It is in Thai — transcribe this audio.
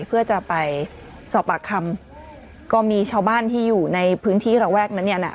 เพื่อจะไปสอบปากคำก็มีชาวบ้านที่อยู่ในพื้นที่ระแวกนั้นเนี่ยนะ